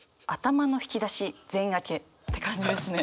って感じですね。